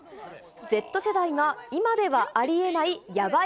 Ｚ世代が、今ではありえないやばい